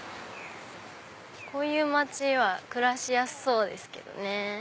こういう街は暮らしやすそうですけどね。